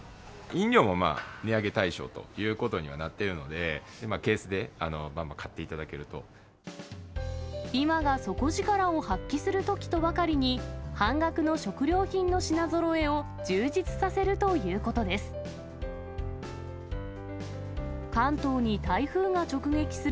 飲料もまあ値上げ対象ということになっているので、ケースでばん今が底力を発揮するときとばかりに、半額の食料品の品ぞろえを充実させるということです。